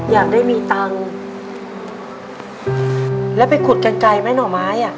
อยากได้มีตังค์แล้วไปขุดกันไกลไหมหน่อไม้อ่ะ